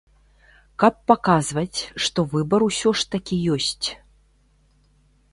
Каб паказваць, што выбар усё ж такі ёсць.